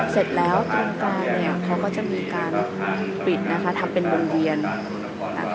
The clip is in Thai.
เสร็จแล้วโครงการเนี่ยเขาก็จะมีการปิดนะคะทำเป็นวงเวียน